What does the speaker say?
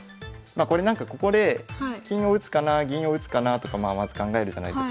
これなんかここで金を打つかな銀を打つかなとかまあまず考えるじゃないですか。